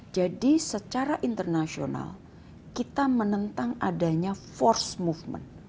jadi secara internasional kita menentang adanya force movement